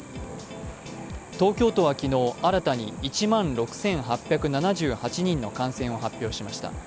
東京都は昨日、新たに１万６８７８人の感染を確認しました。